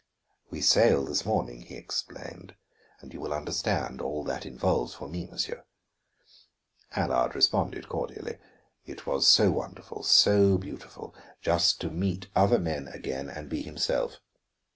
"We sail this morning," he explained, "and you will understand all that involves for me, monsieur." Allard responded cordially; it was so wonderful, so beautiful, just to meet other men again and be himself.